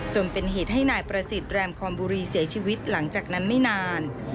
จนเป็นเหตุให้นายประสิทธิ์แรมคอมบุรีเสียชีวิตหลังจากนั้นไม่นาน